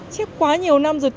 chép quá nhiều năm rồi